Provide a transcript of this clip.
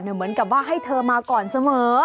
เหมือนกับว่าให้เธอมาก่อนเสมอ